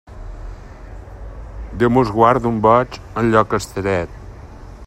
Déu nos guard d'un boig en lloc estret.